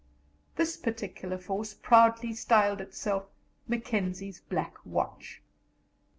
This particular force proudly styled itself "Mackenzie's Black Watch."